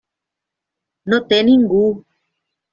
No té ningú.